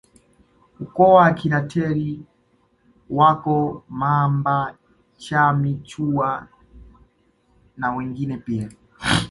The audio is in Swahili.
Ukoo wa akina Teri wako Mamba Chami Chuwa na wengine pia